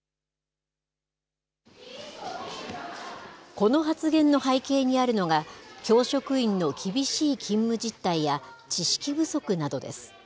この発言の背景にあるのが、教職員の厳しい勤務実態や知識不足などです。